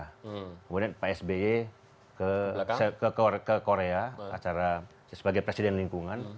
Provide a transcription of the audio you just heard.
kemudian pak sby ke korea sebagai presiden lingkungan